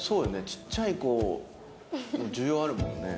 ちっちゃい子需要あるもんね。